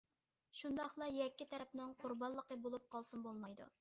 شۇنداقلا يەككە تەرەپنىڭ قۇربانلىقى بولۇپ قالسىمۇ بولمايدۇ.